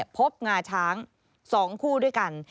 งาช้าง๒คู่ด้วยกัน